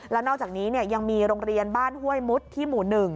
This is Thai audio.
แล้วนอกจากนี้ยังมีโรงเรียนบ้านห้วยมุดที่หมู่๑